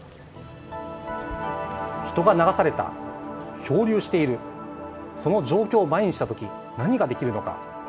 人が流された、漂流している、その状況を前にしたとき何ができるのか。